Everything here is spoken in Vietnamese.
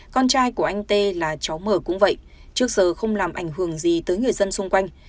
con trai của anh tê là cháu mở cũng vậy trước giờ không làm ảnh hưởng gì tới người dân xung quanh